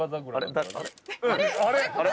あれ？